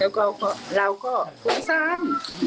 แล้วก็เราก็คุ้มสร้าง